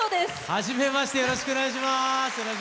はじめましてよろしくお願いします。